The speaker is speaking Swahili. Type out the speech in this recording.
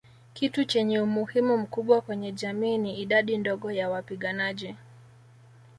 Kitu chenye umuhimu mkubwa kwenye jamii ni idadi ndogo ya wapiganaji